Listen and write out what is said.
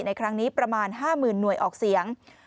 ในครั้งนี้ประมาณ๕๐๐๐หน่วยออกเสียง